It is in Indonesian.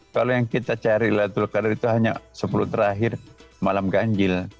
kalau yang kita cari laylatul qadar itu hanya sepuluh terakhir malam ganjil